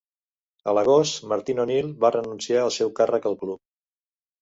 A l'agost, Martin O'Neill va renunciar al seu càrrec al club.